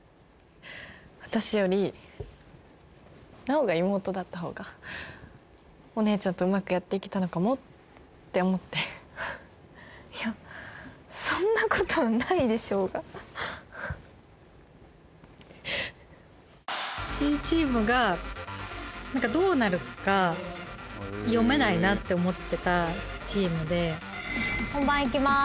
私より奈央が妹だった方がお姉ちゃんとうまくやっていけたのかもって思っていやそんなことないでしょうがって思ってたチームで本番いきます